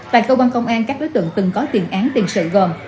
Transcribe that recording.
tại cơ quan công an các đối tượng từng có tiền án tiền sự gồm